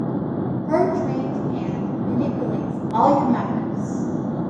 Her trained hand manipulates all your members.